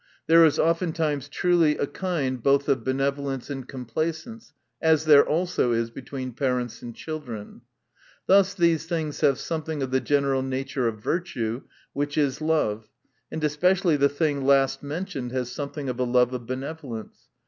There is oftentimes truly a kind both of benevolence and complacence. As there also is between parents and children. 296 THE NATURE OF VIRTUE. Thus these things have something of the general nature of virtue, which is love ;* and especially the thing last mentioned has something oJL a love of benevolence.